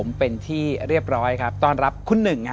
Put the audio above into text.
แล้วก็ต้องบอกคุณผู้ชมนั้นจะได้ฟังในการรับชมด้วยนะครับเป็นความเชื่อส่วนบุคคล